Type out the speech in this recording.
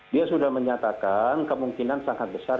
dia sudah menyatakan kemungkinan sangat besar